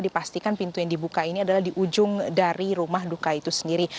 dipastikan pintu yang dibuka ini adalah di ujung dari rumah duka itu sendiri